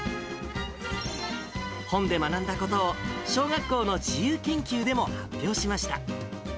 本で学んだことを、小学校の自由研究でも発表しました。